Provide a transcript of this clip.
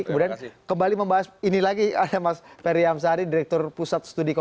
kemudian kembali membahas ini lagi ada mas periam sari direktur pusat studi kosmos